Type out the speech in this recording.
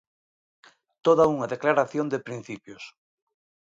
Toda unha declaración de principios.